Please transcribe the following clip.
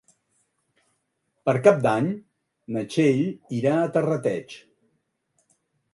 Per Cap d'Any na Txell irà a Terrateig.